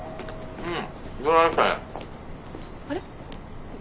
うん。